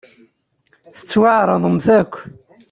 Tettwaɛeṛḍemt akk.